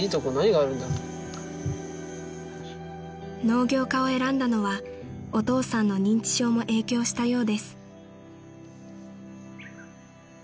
［農業科を選んだのはお父さんの認知症も影響したようです］